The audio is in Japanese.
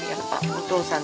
お父さん。